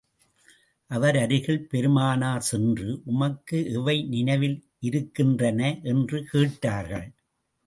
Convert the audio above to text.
அவர் அருகில் பெருமானார் சென்று, உமக்கு எவை நினைவில் இருக்கின்றன? என்று கேட்டார்கள்.